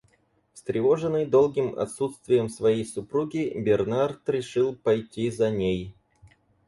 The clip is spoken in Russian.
Встревоженный долгим отсутствием своей супруги, Бернард решил пойти за ней.